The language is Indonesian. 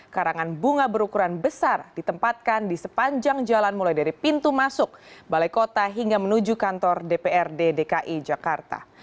karangan bunga berukuran besar ditempatkan di sepanjang jalan mulai dari pintu masuk balai kota hingga menuju kantor dprd dki jakarta